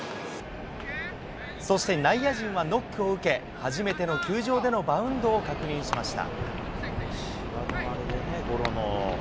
そして内野陣はノックを受け、初めての球場でのバウンドを確認しました。